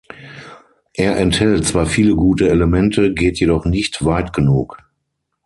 Er enthält zwar viele gute Elemente, geht jedoch nicht weit genug.